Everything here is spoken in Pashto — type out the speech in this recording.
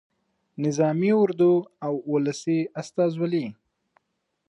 نظامي اردو او ولسي استازولي.